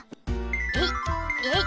えいえい。